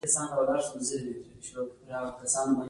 له امله یې تاسې دغه کتاب مطالعه کوئ